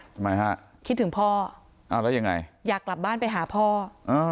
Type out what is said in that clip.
ทำไมฮะคิดถึงพ่ออ้าวแล้วยังไงอยากกลับบ้านไปหาพ่ออ่า